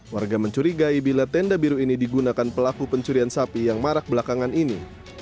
warga mencurigai bila tenda biru ini digunakan pelaku pencurian sapi yang marak belakangan ini